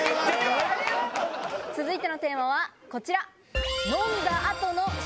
続いてのテーマはこちら。